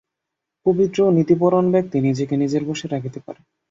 পবিত্র ও নীতিপরায়ণ ব্যক্তি নিজেকে নিজের বশে রাখিতে পারে।